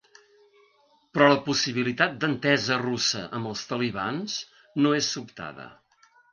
Però la possibilitat d’entesa russa amb els talibans no és sobtada.